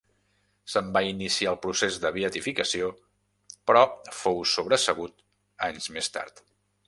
Se'n va iniciar el procés de beatificació, però fou sobresegut anys més tard.